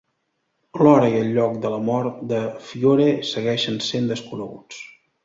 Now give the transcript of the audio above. L'hora i el lloc de la mort de Fiore segueixen sent desconeguts.